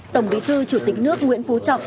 tổng bí thư chủ tịch nước nguyễn phú trọng